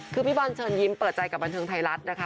คือพี่บอลเชิญยิ้มเปิดใจกับบันเทิงไทยรัฐนะคะ